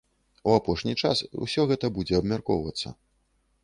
У апошні час усё гэта будзе абмяркоўвацца.